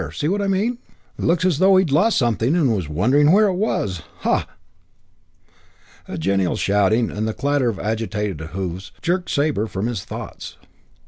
See what I mean? Looks as though he'd lost something and was wondering where it was. Ha!" III A genial shouting and the clatter of agitated hoofs jerked Sabre from his thoughts.